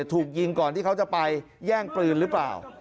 ถูกยิงก่อนที่เขาจะไปแย่งปืนหรือเปล่า